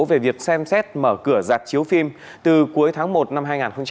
về việc xem xét mở cửa giạc chiếu phim từ cuối tháng một năm hai nghìn hai mươi hai